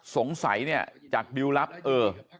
สงสัยจากดิวรับเออ